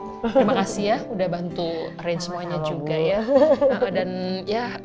terima kasih ya udah bantu range semuanya juga ya